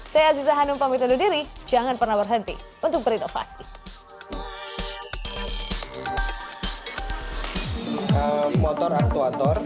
saya aziza hanum pamit undur diri jangan pernah berhenti untuk berinovasi